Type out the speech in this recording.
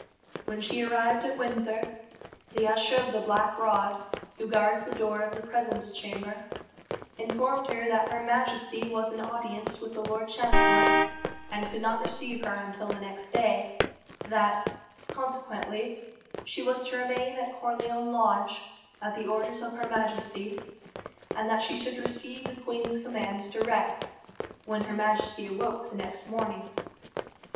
When she arrived at Windsor, the Usher of the Black Rod, who guards the door of the presence chamber, informed her that her Majesty was in audience with the Lord Chancellor, and could not receive her until the next day; that, consequently, she was to remain at Corleone Lodge, at the orders of her Majesty; and that she should receive the queen's commands direct, when her Majesty awoke the next morning.